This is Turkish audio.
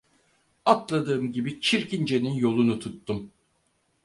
Atladığım gibi Çirkince'nin yolunu tuttum.